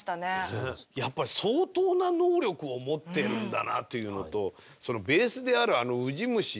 やっぱり相当な能力を持ってるんだなというのとベースであるあのウジ虫。